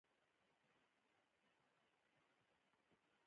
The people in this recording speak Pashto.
د بریښنایي لیک پیغام رسولو یو مهم سیستم دی.